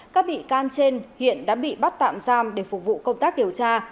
các bị can trên hiện đã bị bắt tạm giam để phục vụ công tác điều tra